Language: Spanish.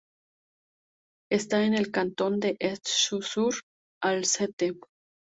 Está en el Cantón de Esch-sur-Alzette.